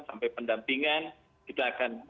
sampai pendampingan kita akan